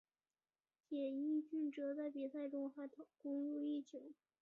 且肇俊哲在比赛中还攻入一球。